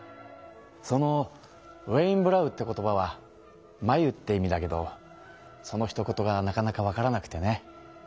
そのウエインブラウって言葉はまゆって意味だけどそのひと言がなかなかわからなくてね。